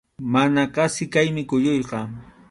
Mana qasi kaymi kuyuyqa.